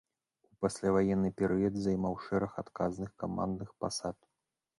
У пасляваенны перыяд займаў шэраг адказных камандных пасад.